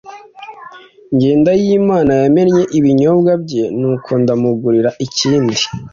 Jyendayimana yamennye ibinyobwa bye nuko ndamugurira ikindi